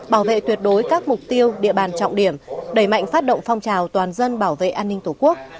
bảo vệ tuyệt đối các mục tiêu địa bàn trọng điểm đẩy mạnh phát động phong trào toàn dân bảo vệ an ninh tổ quốc